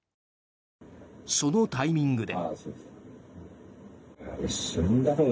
そのタイミングで。